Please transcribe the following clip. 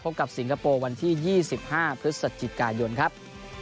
กับสิงคโปร์วันที่๒๕พฤศจิกายนครับ